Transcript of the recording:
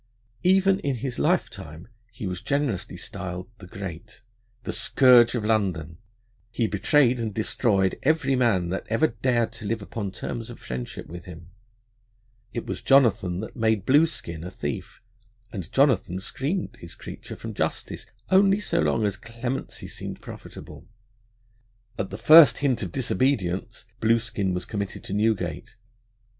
Even in his lifetime he was generously styled the Great. The scourge of London, he betrayed and destroyed every man that ever dared to live upon terms of friendship with him. It was Jonathan that made Blueskin a thief, and Jonathan screened his creature from justice only so long as clemency seemed profitable. At the first hint of disobedience Blueskin was committed to Newgate.